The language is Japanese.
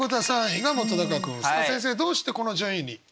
さあ先生どうしてこの順位に？